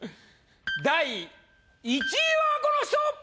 第１位はこの人！